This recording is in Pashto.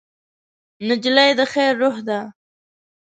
نجلۍ د خیر روح ده.